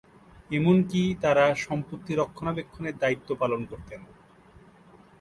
এমনকি তারা সম্পত্তি রক্ষণাবেক্ষণের দায়িত্ব পালন করতেন।